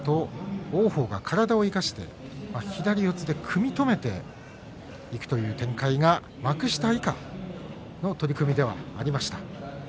王鵬が体を生かして左四つで組み止めていくという展開が幕下以下の取組ではありました。